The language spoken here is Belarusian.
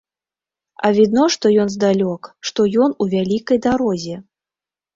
А відно, што ён здалёк, што ён у вялікай дарозе.